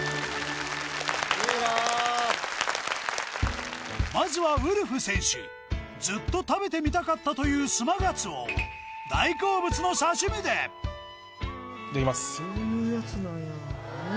・いいなまずはウルフ選手ずっと食べてみたかったというスマガツオを大好物の刺し身でいただきます